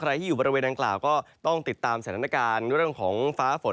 ที่อยู่บริเวณดังกล่าวก็ต้องติดตามสถานการณ์เรื่องของฟ้าฝน